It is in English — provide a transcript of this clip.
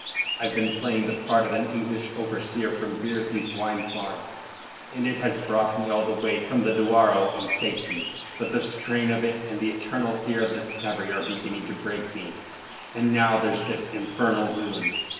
I've been playing the part of an English overseer from Bearsley's wine farm, and it has brought me all the way from the Douro in safety. But the strain of it and the eternal fear of discovery are beginning to break me. And now there's this infernal wound.